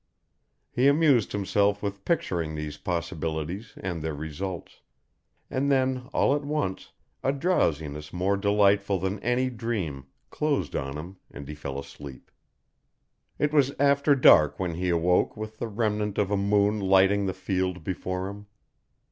He amused himself with picturing these possibilities and their results; and then all at once a drowsiness more delightful than any dream closed on him and he fell asleep. It was after dark when he awoke with the remnant of a moon lighting the field before him.